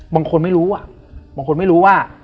บางคนไม่รู้ว่า